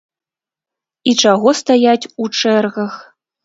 І чаго стаяць у чэргах?